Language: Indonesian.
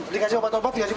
dikasih obat obat biar coba